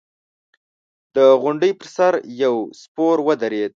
د غونډۍ پر سر يو سپور ودرېد.